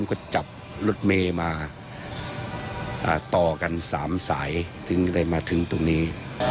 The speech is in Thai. ก็จับรถเมย์มาต่อกัน๓สายถึงได้มาถึงตรงนี้